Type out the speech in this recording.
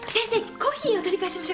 コーヒーお取り替えしましょうか？